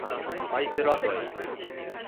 アイスランドへ行く。